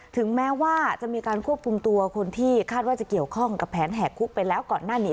ถึงแม้ว่าจะมีการควบคุมตัวคนที่คาดว่าจะเกี่ยวข้องกับแผนแหกคุกไปแล้วก่อนหน้านี้